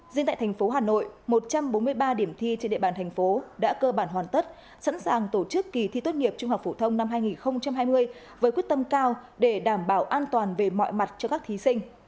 riêng tại thành phố hà nội một trăm bốn mươi ba điểm thi trên địa bàn thành phố đã cơ bản hoàn tất sẵn sàng tổ chức kỳ thi tốt nghiệp trung học phổ thông năm hai nghìn hai mươi với quyết tâm cao để đảm bảo an toàn về mọi mặt cho các thí sinh